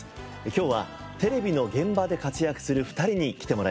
今日はテレビの現場で活躍する２人に来てもらいました。